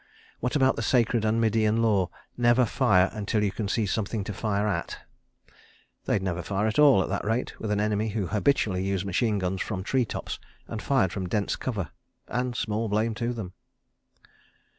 What about the sacred and Medean Law: Never fire until you can see something to fire at? They'd never fire at all, at that rate, with an enemy who habitually used machine guns from tree tops and fired from dense cover—and small blame to him.